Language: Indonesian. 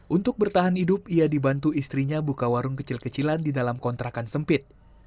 untuk bertahan hidup ia dibantu istrinya buka warung kecil kecilan di dalam kontrakan sempit